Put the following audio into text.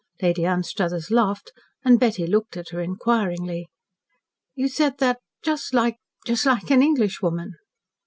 Lady Anstruthers laughed, and Betty looked at her inquiringly. "You said that just like just like an Englishwoman."